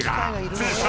［通称］